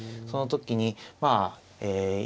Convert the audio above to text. その時にまあえ